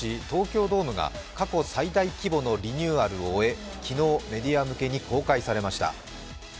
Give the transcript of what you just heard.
東京ドームが過去最大規模のリニューアルを終え、昨日、メディア向けに公開されました。